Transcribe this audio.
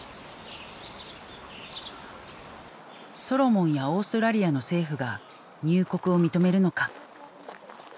ソロモンやオーストラリアの政府が入国を認めるのか。